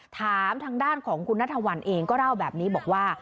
ถามทางด้านของคุณนัทวัลเองก็เล่าแบบนี้บอกว่า